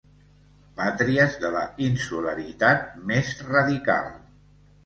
Pàtries de la insularitat més radical.